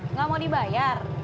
nggak mau dibayar